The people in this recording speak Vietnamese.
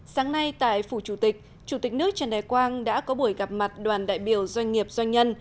sáng nay tại phủ chủ tịch chủ tịch nước trần đại quang đã có buổi gặp mặt đoàn đại biểu doanh nghiệp doanh nhân